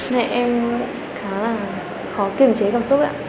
mẹ em khá là khó kiểm chế cảm xúc ạ